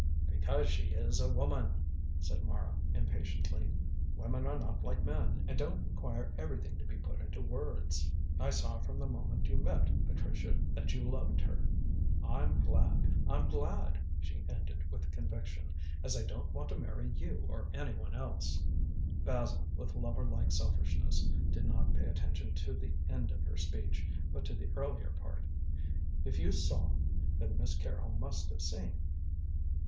"Because she is a woman," said Mara impatiently. "Women are not like men, and don't require everything to be put into words. I saw from the moment you met Patricia that you loved her. I'm glad; I'm glad," she ended, with conviction, "as I don't want to marry you or anyone else." Basil, with lover like selfishness, did not pay attention to the end of her speech, but to the earlier part. "If you saw, then Miss Carrol must have seen."